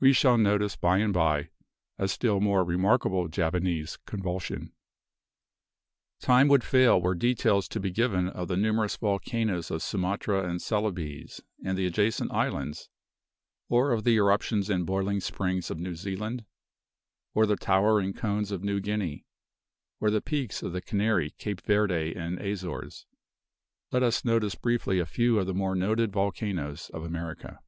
We shall notice by and by a still more remarkable Javanese convulsion. Time would fail were details to be given of the numerous volcanoes of Sumatra and Celebes and the adjacent islands, or of the eruptions and boiling springs of New Zealand, or the towering cones of New Guinea, or of the peaks of the Canary, Cape Verde and Azores. Let us notice briefly a few of the more noted volcanoes of America.